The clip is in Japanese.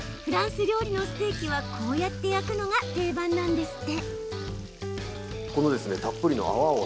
フランス料理のステーキはこうやって焼くのが定番なんですって。